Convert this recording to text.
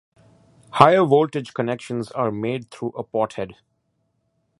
Higher voltage connections are made through a pothead.